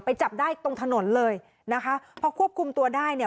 จับได้ตรงถนนเลยนะคะพอควบคุมตัวได้เนี่ย